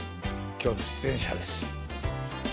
今日の出演者です。